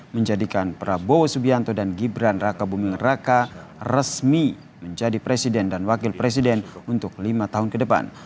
menjadikan prabowo subianto dan gibran raka buming raka resmi menjadi presiden dan wakil presiden untuk lima tahun ke depan